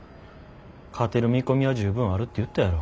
勝てる見込みは十分あるって言ったやろ。